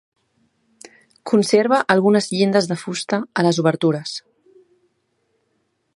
Conserva algunes llindes de fusta a les obertures.